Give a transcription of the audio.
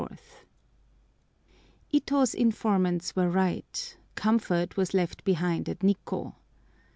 ITO'S informants were right. Comfort was left behind at Nikkô!